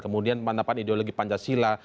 kemudian pemantapan ideologi pancasila